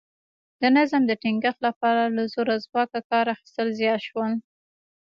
د نظم د ټینګښت لپاره له زور او ځواکه کار اخیستل زیات شول